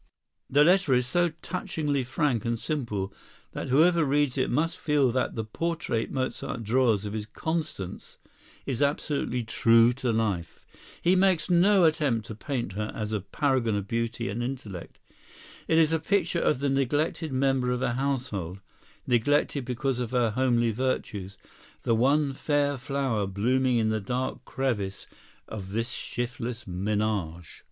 The letter is so touchingly frank and simple that whoever reads it must feel that the portrait Mozart draws of his Constance is absolutely true to life. He makes no attempt to paint her as a paragon of beauty and intellect. It is a picture of the neglected member of a household—neglected because of her homely virtues, the one fair flower blooming in the dark crevice of this shiftless menage.